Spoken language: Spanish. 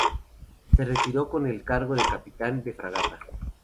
Se retiró con el cargo de capitán de fragata.